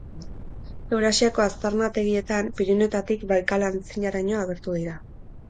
Eurasiako aztarnategietan, Pirinioetatik Baikal aintziraraino, agertu dira.